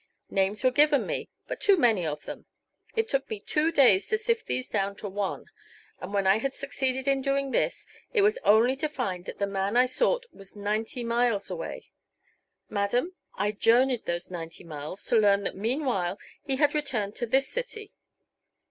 Names were given me, but too many of them. It took me two days to sift these down to one, and when I had succeeded in doing this, it was only to find that the man I sought was ninety miles away. Madam, I journeyed those ninety miles to learn that meanwhile he had returned to this city.